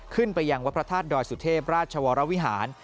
ขึ้นไปยังวัฒนธาตุดอยสุเทพราชวรวิหาร